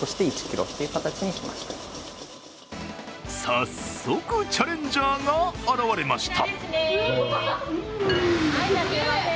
早速、チャレンジャーが現れました。